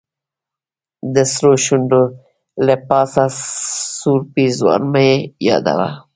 د سرو شونډو له پاسه سور پېزوان مه یادوه.